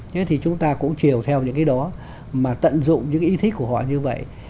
thế thì chúng ta cũng chiều theo những cái đó mà tận dụng những cái ý thích của họ như vậy